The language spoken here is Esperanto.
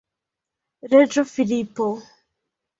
Reĝo Filipo.